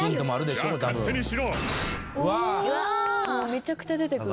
めちゃくちゃ出てくる。